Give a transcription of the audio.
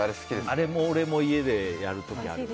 あれも俺も家でやる時ある。